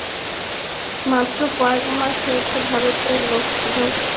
মাত্র কয়েক মাস হয়েছে ভারতের লোকসভা নির্বাচনে কংগ্রেস শোচনীয়ভাবে পরাজিত হয়েছে।